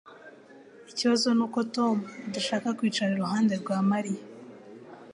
Ikibazo nuko Tom adashaka kwicara iruhande rwa Mariya